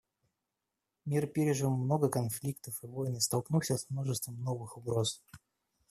Мир пережил много конфликтов и войн и столкнулся с множеством новых угроз.